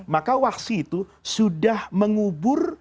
maka wahsi itu sudah mengubur